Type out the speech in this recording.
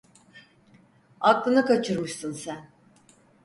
Aklını kaçırmışsın sen.